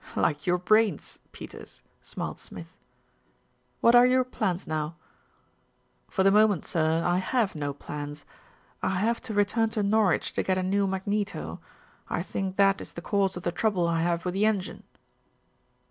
"Like your brain, Peters," smiled Smith. "What are your plans now?" "For the moment, sir, I have no plans. I have to return to Norwich to get a new magneto. I think that is the cause of the trouble I have with the engine."